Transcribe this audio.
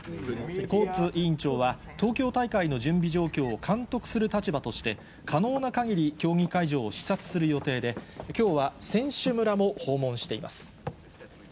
コーツ委員長は、東京大会の準備状況を監督する立場として、可能なかぎり競技会場を視察する予定で、きょうは選手村も訪問しています。